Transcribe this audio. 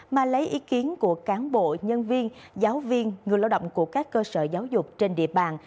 mà lấy ý kiến của cán bộ nhân viên giáo viên người lao động của các cơ sở giáo dục trên địa bàn